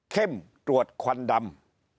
เข้มตรวจควันดำ